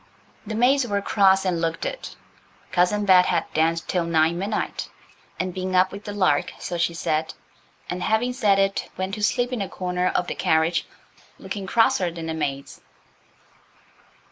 The maids were cross and looked it. Cousin Bet had danced till nigh midnight, and been up with the lark, so she said. And, having said it, went to sleep in a corner of the carriage looking crosser than the maids.